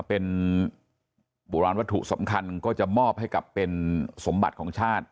เป็นโบราณวัตถุสำคัญก็จะมอบให้กับเป็นสมบัติของชาติ